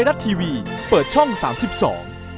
นักข่าวเราก็ต้องหาข่าวต่อไป